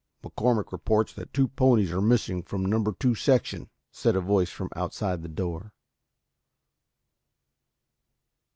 "McCormick reports that two ponies are missing from number two section," said a voice outside the door.